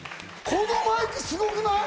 このマイクすごい！